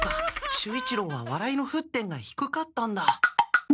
守一郎は笑いの沸点が低かったんだ。